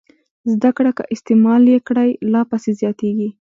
زده کړه که استعمال یې کړئ لا پسې زیاتېږي.